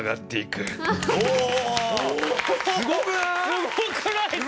すごくないですか？